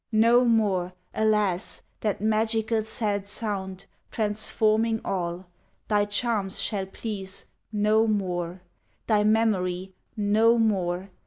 No more! alas, that magical sad sound Transforming all! Thy charms shall please no more Thy memory _no more!